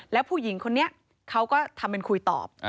แล้วผู้หญิงคนนี้เขาก็ทำเป็นคุยตอบ